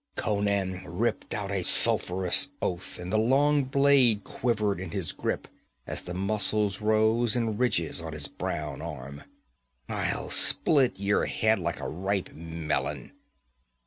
Conan ripped out a sulfurous oath and the long blade quivered in his grip as the muscles rose in ridges on his brown arm. 'I'll split your head like a ripe melon!'